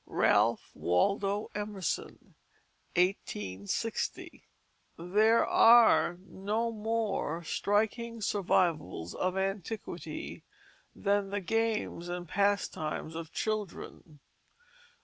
Ralph Waldo Emerson, 1860._ There are no more striking survivals of antiquity than the games and pastimes of children.